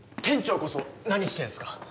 店長こそ何してんすか？